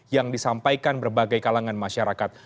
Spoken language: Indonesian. yang disampaikan berbagai kalangan masyarakat